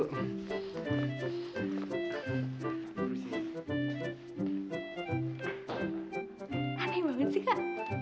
aneh banget sih kak